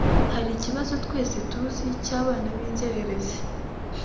Hari ikibazo twese tuzi cy’abana b’inzererezi